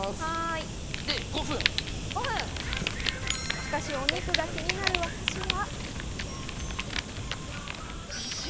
しかし、お肉が気になる私は。